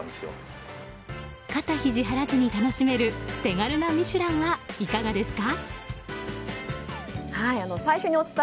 肩ひじ張らずに楽しめる手軽なミシュランはいかがですか？